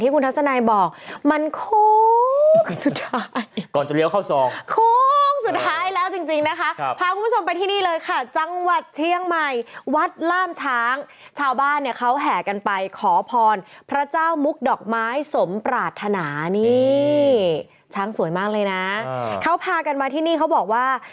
คุณผู้ชมค่ะอย่างที่คุณทัศนายบอก